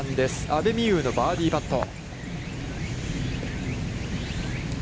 阿部未悠のバーディーパット。